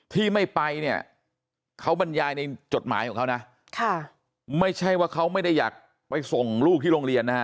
ที่ไม่ไปเนี่ยเขาบรรยายในจดหมายของเขานะไม่ใช่ว่าเขาไม่ได้อยากไปส่งลูกที่โรงเรียนนะฮะ